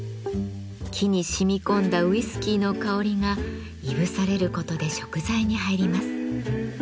木にしみ込んだウイスキーの香りがいぶされることで食材に入ります。